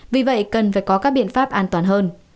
vì vậy cần phải có các biện pháp an toàn hơn